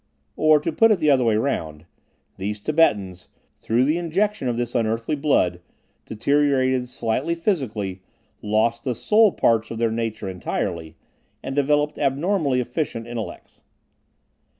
Or, to put it the other way around. These Tibetans, through the injection of this unearthly blood, deteriorated slightly physically, lost the "soul" parts of their nature entirely, and developed abnormally efficient intellects.